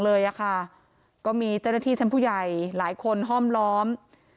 เลยค่ะก็มีเจ้าหน้าที่ชั้นผู้ใหญ่หลายคนห้อมล้อม